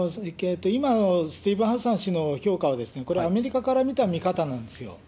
今のスティーブン・ハッサン氏の評価は、これ、アメリカから見た見方なんですよ。